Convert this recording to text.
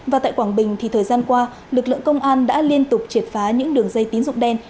và tại quảng bình thì thời gian qua lực lượng công an đã liên tục triệt phá những đường dây tín dụng đen